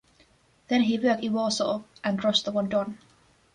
Then he worked in Warsaw and Rostov-on-Don.